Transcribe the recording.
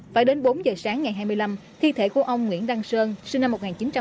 phải đến bốn giờ sáng ngày hai mươi năm thi thể của ông nguyễn đăng sơn sinh năm một nghìn chín trăm tám mươi